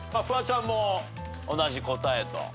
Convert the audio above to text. フワちゃんも同じ答えと。